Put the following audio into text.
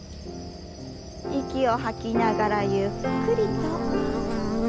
息を吐きながらゆっくりと。